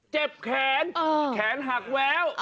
เจ็บแขนแขนหักแล้ว